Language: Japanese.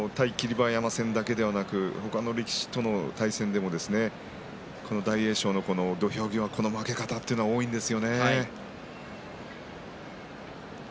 馬山戦だけでなく他の力士との対戦でもこの大栄翔の土俵際この負け方というのが多いんですよね。